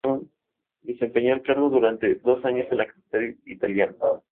Desempeñó el cargo durante dos años en la capital italiana.